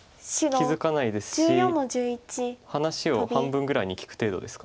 気付かないですし話を半分ぐらいに聞く程度ですか。